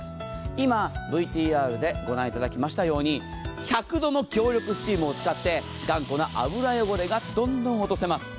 今、ＶＴＲで御覧いただきましたように、１００度の強力スチームを使って頑固な油汚れがどんどん落ちます。